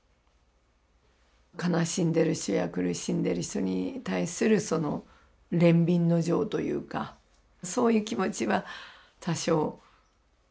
悲しんでる人や苦しんでる人に対するその憐憫の情というかそういう気持ちは多少あったのかもしれません。